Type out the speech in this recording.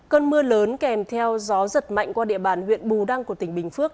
cơn mưa lớn kèm theo gió giật mạnh qua địa bàn huyện bù đăng của tỉnh bình phước